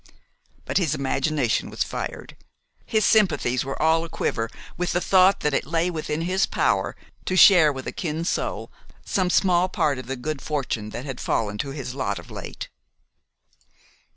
But his imagination was fired; his sympathies were all a quiver with the thought that it lay within his power to share with a kin soul some small part of the good fortune that had fallen to his lot of late.